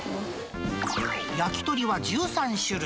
焼き鳥は１３種類。